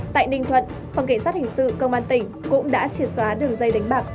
tại ninh thuận phòng cảnh sát hình sự công an tỉnh cũng đã triệt xóa đường dây đánh bạc